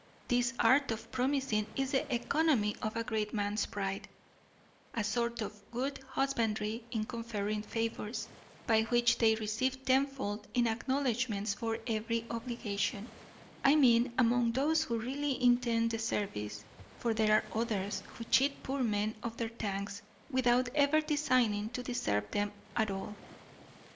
This art of promising is the economy of a great man's pride, a sort of good husbandry in conferring favours, by which they receive tenfold in acknowledgments for every obligation, I mean among those who really intend the service; for there are others who cheat poor men of their thanks, without ever designing to deserve them at all.